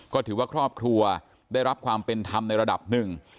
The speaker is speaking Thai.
ก็ถือว่าครอบครัวได้รับความเป็นธรรมในระดับหนึ่ง